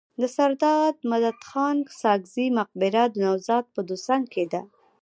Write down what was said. د سرداد مددخان ساکزي مقبره د نوزاد په دوسنګ کي ده.